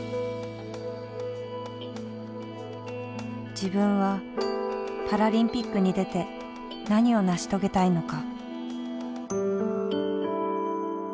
自分はパラリンピックに出て何を成し遂げたいのか。